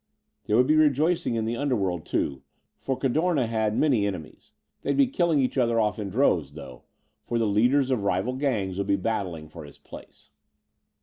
There would be rejoicing in the underworld too, for Cadorna had many enemies. They'd be killing each other off in droves though, for the leaders of rival gangs would be battling for his place.